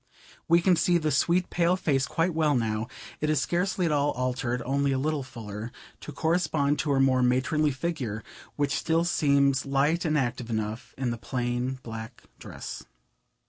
We can see the sweet pale face quite well now: it is scarcely at all altered—only a little fuller, to correspond to her more matronly figure, which still seems light and active enough in the plain black dress.